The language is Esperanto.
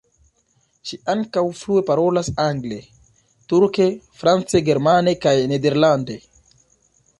Ŝi ankaŭ flue parolas angle, turke, france, germane kaj nederlande.